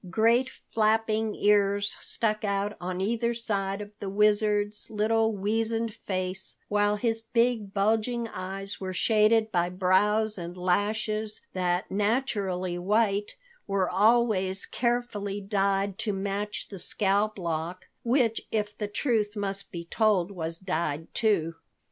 Great, flapping ears stuck out on either side of the Wizard's little weazened face, while his big, bulging eyes were shaded by brows and lashes that, naturally white, were always carefully dyed to match the scalp lock, which, if the truth must be told, was dyed too.